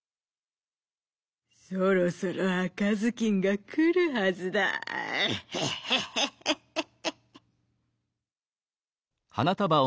「そろそろあかずきんがくるはずだ。ヘッヘッヘッヘッヘッヘッヘッ」。